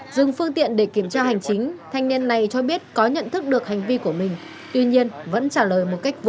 dừng phương tiện để kiểm tra hành chính thanh niên này cho biết có nhận thức được hành vi của mình tuy nhiên vẫn trả lời một cách vô lý